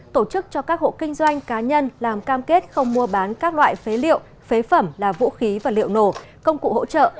tổ chức cho các hộ kinh doanh cá nhân làm cam kết không mua bán các loại phế liệu phế phẩm là vũ khí và liệu nổ công cụ hỗ trợ